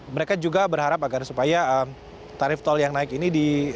mereka juga berharap agar supaya tarif tol yang naik ini di